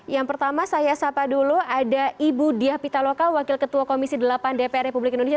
yang pertama saya sapa dulu ada ibu diah pitaloka wakil ketua komisi delapan dpr republik indonesia